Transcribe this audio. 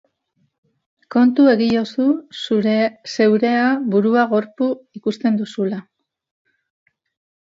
Kontu egizu zeure burua gorpu ikusten duzula.